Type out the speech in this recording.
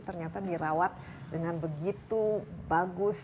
ternyata dirawat dengan begitu bagus